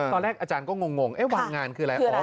อาจารย์ก็งงวางงานคืออะไร